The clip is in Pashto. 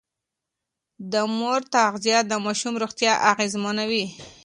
د مور تغذيه د ماشوم روغتيا اغېزمنوي.